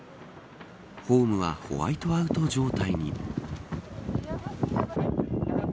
ホームはホワイトアウト状態に。